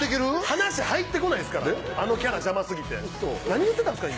話入ってこないですからあのキャラ邪魔すぎて何言うてたんですか？